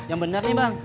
yang bener nih bang